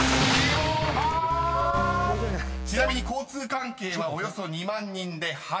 ［ちなみに「交通関係」はおよそ２万人で８位です］